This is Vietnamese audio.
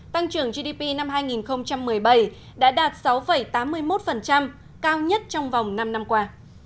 tăng trưởng gdp năm hai nghìn một mươi bảy đã đạt sáu tám mươi một cao nhất trong vòng năm năm qua